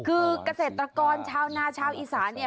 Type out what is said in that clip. คือกระเศรษฐกรชาวนาชาวอีสานเนี่ย